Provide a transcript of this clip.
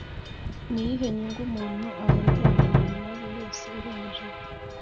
Ni iyihe nyungu umuntu abonera mu mirimo ye yose iruhije